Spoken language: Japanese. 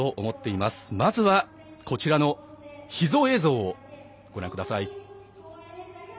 まずは、こちらの秘蔵映像をご覧ください。